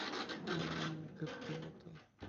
o olin e mi kepeken uta.